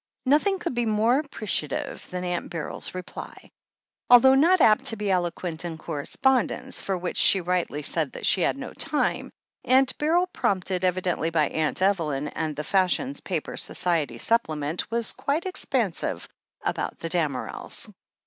Nothing could be more appreciative than Aunt Beryl's reply. Although not apt to be eloquent in correspondence, for which she rightly said that she had .no time, Aimt Beryl, prompted evidently by Aunt Evelyn and the fashion paper's Society supplement, was quite expansive about the Damerels.